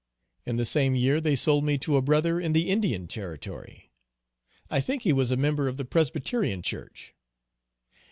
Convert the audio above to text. In the same year they sold me to a "Bro." in the Indian Territory. I think he was a member of the Presbyterian Church.